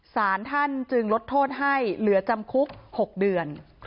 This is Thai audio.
สารท่านจึงลดโทษให้เหลือจำคุก๖เดือน